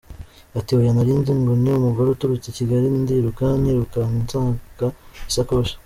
Ati :”Oya, narinzi ngo ni umugore uturutse I Kigali ndiruka nirukanka nsaka isakoshi.